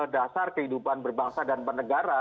dasar kehidupan berbangsa dan bernegara